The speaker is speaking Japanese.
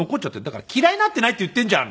「だから嫌いになってないって言ってんじゃん！」